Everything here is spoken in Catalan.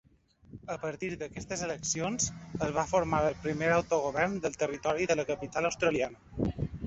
A partir d'aquestes eleccions es va formar el primer autogovern del Territori de la Capital Australiana.